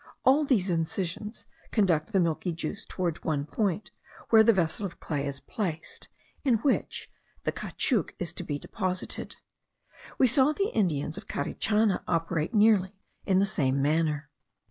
All these incisions conduct the milky juice towards one point, where the vase of clay is placed, in which the caoutchouc is to be deposited. We saw the Indians of Carichana operate nearly in the same manner.